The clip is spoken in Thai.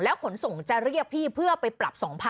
ขนส่งจะเรียกพี่เพื่อไปปรับ๒๐๐๐